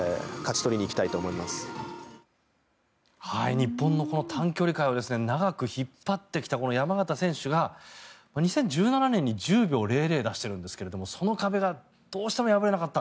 日本の短距離界を長く引っ張ってきた山縣選手が２０１７年に１０秒００を出しているんですけどその壁がどうしても破れなかった。